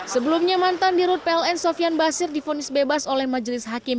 sebelumnya mantan dirut pln sofian basir difonis bebas oleh majelis hakim